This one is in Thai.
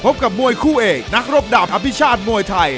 กับมวยคู่เอกนักรบดาบอภิชาติมวยไทย